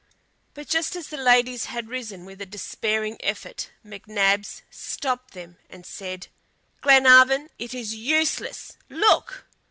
But just as the ladies had risen with a despairing effort, McNabbs stopped them and said: "Glenarvan, it is useless. Look!"